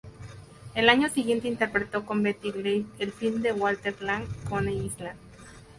El año siguiente interpretó con Betty Grable el film de Walter Lang "Coney Island".